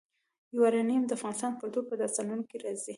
یورانیم د افغان کلتور په داستانونو کې راځي.